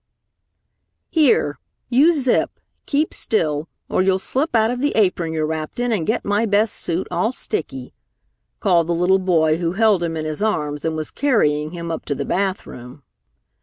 "Here, you Zip, keep still, or you'll slip out of the apron you're wrapped in and get my best suit all sticky," called the little boy who held him in his arms and was carrying him up to the bathroom.